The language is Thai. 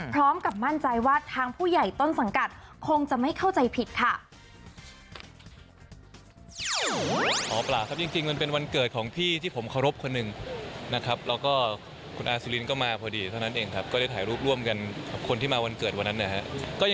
พร้อมกับมั่นใจว่าทางผู้ใหญ่ต้นสังกัดคงจะไม่เข้าใจผิดค่ะ